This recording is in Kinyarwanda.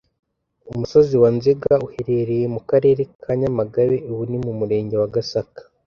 Umusozi wa Nzega uherereye mu Karere ka Nyamagabe ubu ni mu Murenge wa Gasaka,